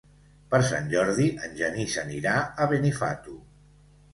Per Sant Jordi en Genís anirà a Benifato.